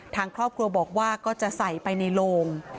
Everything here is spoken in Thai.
ทางครอบครัวบอกว่าก็จะใส่ไปในโลง